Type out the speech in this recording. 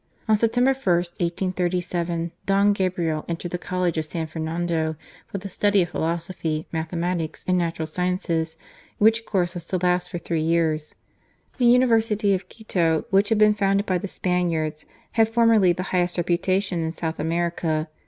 On September i, 1837, ^^^ Gabriel entered the College of San Fernando, for the study of philosophy, mathematics, and natural sciences, which course was to last for three years. The University of ■Quito, which had been founded by the Spaniards, had formerly the highest reputation in South America.